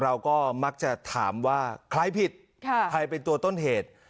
เราก็มักจะถามว่าใครผิดใครเป็นตัวต้นเหตุ